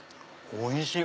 おいしい！